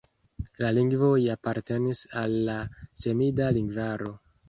La lingvoj apartenis al la semida lingvaro.